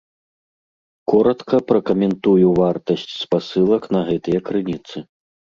Коратка пракаментую вартасць спасылак на гэтыя крыніцы.